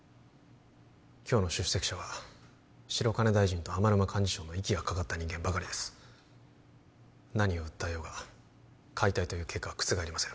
今日の出席者は白金大臣と天沼幹事長の息がかかった人間ばかりです何を訴えようが解体という結果は覆りません